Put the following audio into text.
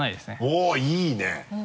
おぉいいね！